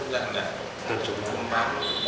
đâu dạng nào